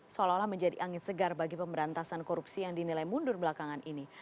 seolah olah menjadi angin segar bagi pemberantasan korupsi yang dinilai mundur belakangan ini